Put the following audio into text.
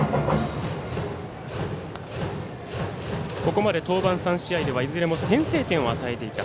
ここまで登板３試合ではいずれも先制点を与えていた。